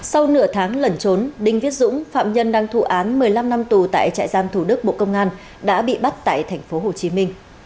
sau nửa tháng lẩn trốn đinh viết dũng phạm nhân đang thụ án một mươi năm năm tù tại trại giam thủ đức bộ công an đã bị bắt tại tp hcm